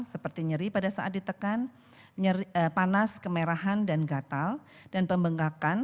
seperti nyeri pada saat ditekan panas kemerahan dan gatal dan pembengkakan